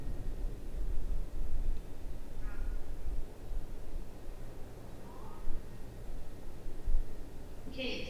His discography encompasses more than a hundred recordings over five decades.